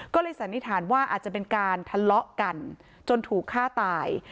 ก็เลยสันนิษฐานว่าอาจจะเป็นการทะเลาะกันจนถูกฆ่าตาย